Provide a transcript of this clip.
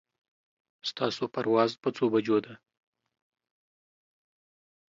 ستاسو پرواز په څو بجو ده